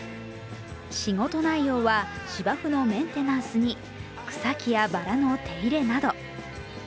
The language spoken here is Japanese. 仕事内容は芝生のメンテナンスに草木やばらの手入れなど。